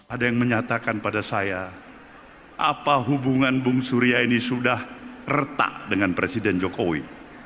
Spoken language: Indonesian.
ada yang menyatakan pada saya apa hubungan bung surya ini sudah retak dengan presiden jokowi